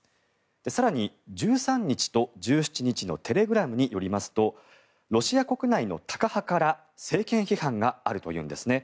更に１３日と１７日のテレグラムによりますとロシア国内のタカ派から政権批判があるというんですね。